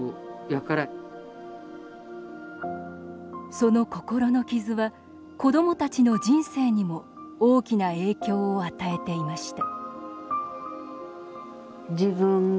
その心の傷は子どもたちの人生にも大きな影響を与えていました